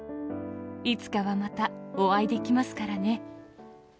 いつかはまたお会いできますからね。